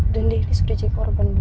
dan diri sudah cekor bambu